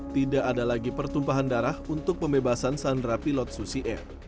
tidak ada lagi pertumpahan darah untuk pembebasan sandera pilot susi f